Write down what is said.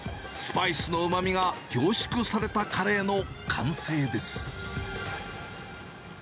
スパイスのうまみが凝縮されたカレーの完成です。